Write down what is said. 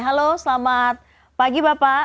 halo selamat pagi bapak